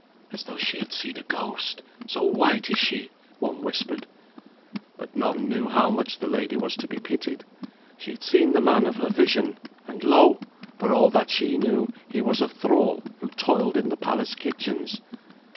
"As though she had seen a ghost, so white is she," one whispered. But none knew how much the lady was to be pitied. She had seen the man of her vision; and, lo! for all that she knew, he was a thrall who toiled in the palace kitchens.